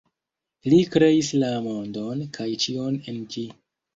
Li kreis la mondon, kaj ĉion en ĝi.